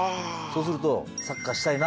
そうすると。